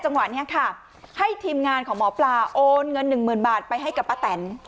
จังหวะนี้ค่ะให้ทีมงานของหมอปลาโอนเงินหนึ่งหมื่นบาทไปให้กับป้าแตน